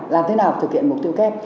làm thế nào thực hiện mục tiêu kép